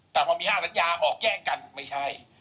แต่พอมี๕สัญญาออกแย่งกันไม่ใช่